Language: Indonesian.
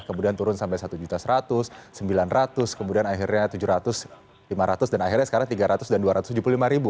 kemudian turun sampai satu seratus sembilan ratus kemudian akhirnya tujuh ratus lima ratus dan akhirnya sekarang rp tiga ratus dan rp dua ratus tujuh puluh lima